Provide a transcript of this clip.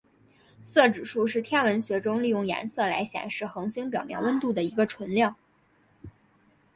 色指数是天文学中利用颜色来显示恒星表面温度的一个纯量。